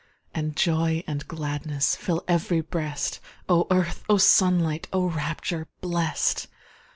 And joy and gladness Fill ev'ry breast! Oh earth! oh sunlight! Oh rapture blest!